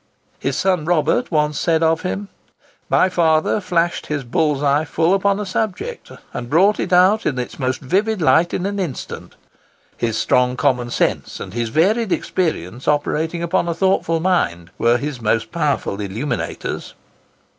His son Robert once said of him, "My father flashed his bull's eye full upon a subject, and brought it out in its most vivid light in an instant: his strong common sense, and his varied experience operating upon a thoughtful mind, were his most powerful illuminators."